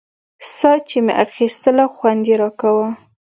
ساه چې مې اخيستله خوند يې راکاوه.